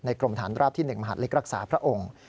กรมฐานราบที่๑มหาดเล็กรักษาพระองค์